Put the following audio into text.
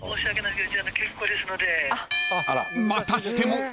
［またしても］